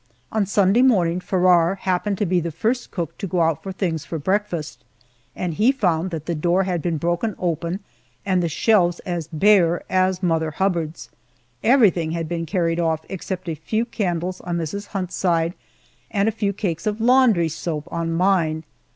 On Sunday morning Farrar happened to be the first cook to go out for things for breakfast, and he found that the door had been broken open and the shelves as bare as Mother Hubbard's. Everything had been carried off except a few candles on Mrs. Hunt's side, and a few cakes of laundry soap on mine!